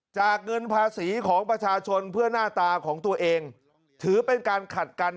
เงินภาษีของประชาชนเพื่อหน้าตาของตัวเองถือเป็นการขัดกัน